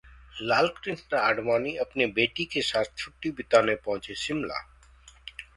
लालकृष्ण आडवाणी अपनी बेटी के साथ छुट्टी बिताने पहुंचे शिमला